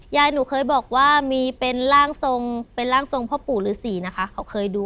ยายหนูเคยบอกว่ามีเป็นร่างทรงเป็นร่างทรงพ่อปู่ฤษีนะคะเขาเคยดู